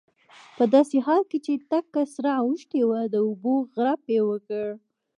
په داسې حال کې چې تکه سره اوښتې وه د اوبو غړپ یې وکړ.